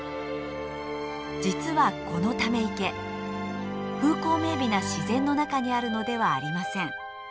実はこのため池風光明美な自然の中にあるのではありません。